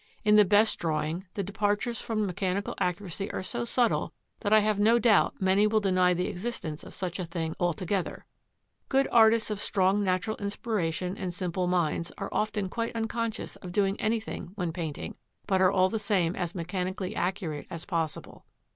In the best drawing the departures from mechanical accuracy are so subtle that I have no doubt many will deny the existence of such a thing altogether. Good artists of strong natural inspiration and simple minds are often quite unconscious of doing anything when painting, but are all the same as mechanically accurate as possible.